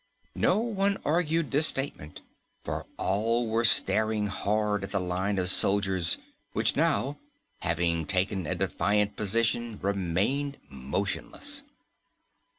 No one argued this statement, for all were staring hard at the line of soldiers, which now, having taken a defiant position, remained motionless.